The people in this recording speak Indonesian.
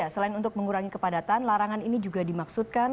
selain untuk mengurangi kepadatan larangan ini juga dimaksudkan